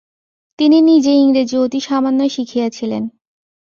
তিনি নিজে ইংরেজি অতি সামান্যই শিখিয়াছিলেন।